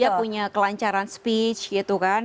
dia punya kelancaran speech gitu kan